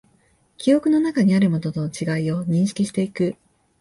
記憶の中にあるものとの違いを確認していく